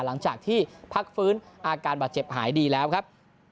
หลังจากที่พักฟื้นอาการบาดเจ็บหายดีแล้วครับ